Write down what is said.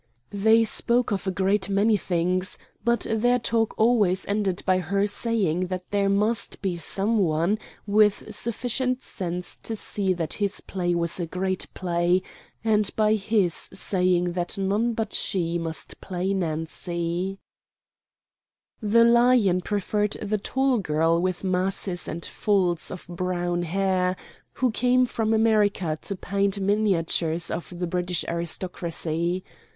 They spoke of a great many things, but their talk always ended by her saying that there must be some one with sufficient sense to see that his play was a great play, and by his saying that none but she must play Nancy. The Lion preferred the tall girl with masses and folds of brown hair, who came from America to paint miniatures of the British aristocracy.